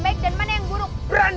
baik dan mana yang buruk